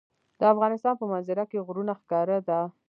د افغانستان په منظره کې غرونه ښکاره ده.